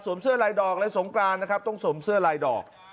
เสื้อลายดอกเลยสงกรานนะครับต้องสวมเสื้อลายดอก